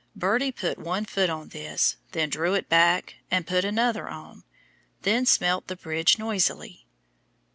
Birdie put one foot on this, then drew it back and put another on, then smelt the bridge noisily.